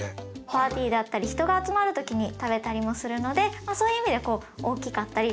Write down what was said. パーティーだったり人が集まる時に食べたりもするのでそういう意味でこう大きかったり。